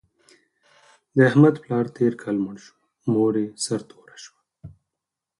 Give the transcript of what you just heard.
د احمد پلار تېر کال مړ شو، مور یې سرتوره شوه.